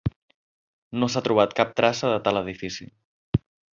No s'ha trobat cap traça de tal edifici.